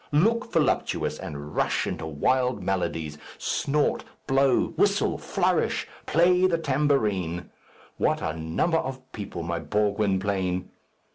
Look voluptuous, and rush into wild melodies. Snort, blow, whistle, flourish, play the tambourine. What a number of people, my poor Gwynplaine!"